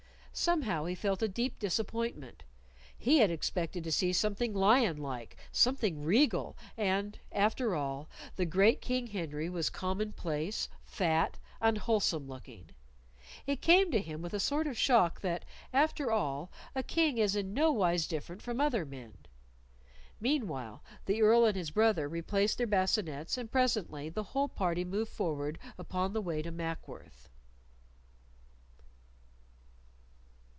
Somehow he felt a deep disappointment. He had expected to see something lion like, something regal, and, after all, the great King Henry was commonplace, fat, unwholesome looking. It came to him with a sort of a shock that, after all, a King was in nowise different from other men. Meanwhile the Earl and his brother replaced their bascinets, and presently the whole party moved forward upon the way to Mackworth.